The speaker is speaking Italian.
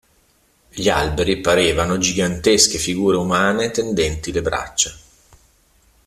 Gli alberi parevano gigantesche figure umane tendenti le braccia.